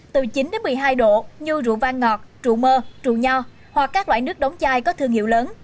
từ chín một mươi hai độ như rượu vang ngọt trụ mơ trù nho hoặc các loại nước đóng chai có thương hiệu lớn